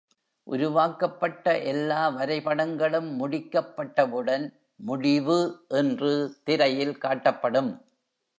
உருவாக்கப்பட்ட எல்லா வரைபடங்களும் முடிக்கப் பட்டவுடன் ‘முடிவு’ என்று திரையில் காட்டப்படும்.